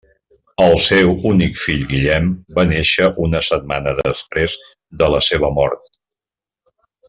El seu únic fill Guillem va néixer una setmana després de la seva mort.